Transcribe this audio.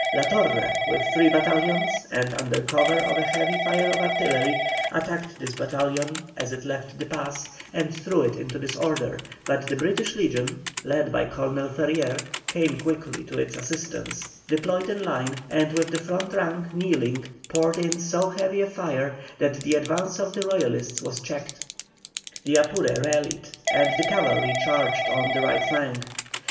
La Torre, with three battalions and under cover of a heavy fire of artillery, attacked this battalion as it left the pass, and threw it into disorder, but the British legion, led by Colonel Ferrier, came quickly to its assistance, deployed in line, and with the front rank kneeling poured in so heavy a fire that the advance of the Royalists was checked. The Apure rallied, and the cavalry charged on the right flank.